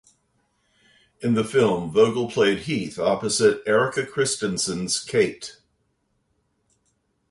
In the film, Vogel played Heath opposite Erika Christensen's Kate.